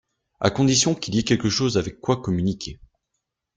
À condition qu’il y ait quelque chose avec quoi communiquer.